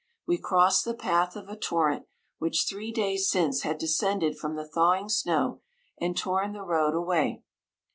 We crossed the path of a torrent, which three days since had descended from the thawing snow, and torn the road away.